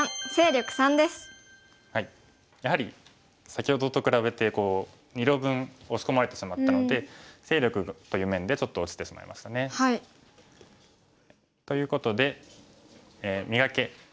やはり先ほどと比べて２路分押し込まれてしまったので勢力という面でちょっと落ちてしまいましたね。ということで「磨け！